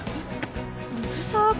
水沢君？